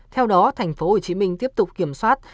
theo đó tp hcm tiếp tục kiểm soát